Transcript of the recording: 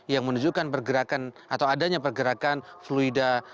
yang menunjukkan pergerakan atau adanya pergerakan fluida